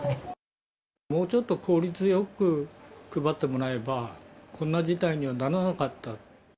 もうちょっと効率よく配ってもらえば、こんな事態にはならなかった。